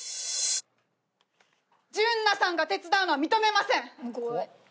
純奈さんが手伝うのは認めません。